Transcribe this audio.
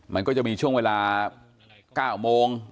มันก็จะมีช่วงเวลา๙โมง